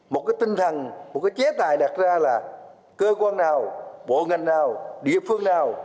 một cái tinh thần một cái chế tài đặt ra là cơ quan nào bộ ngành nào địa phương nào